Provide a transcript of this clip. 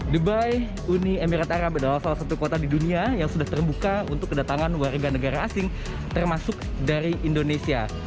dubai uni emirat arab adalah salah satu kota di dunia yang sudah terbuka untuk kedatangan warga negara asing termasuk dari indonesia